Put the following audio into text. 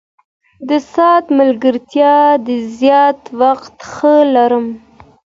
د ساعت ملګرتیا د زیات وخت څخه لرم.